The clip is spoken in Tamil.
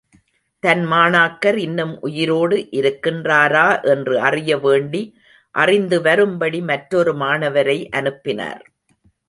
தன் மாணாக்கர் இன்னும் உயிரோடு—இருக்கின்றாரா என்று அறிய வேண்டி, அறிந்துவரும்படி மற்றொரு மாணவரை அனுப்பினார்.